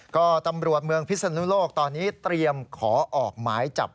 ก็ตำรวจเมืองพิศนุโลกตอนนี้เตรียมขอออกหมายจับ